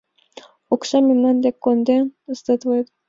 Оксам мемнан дек конден сдатлет.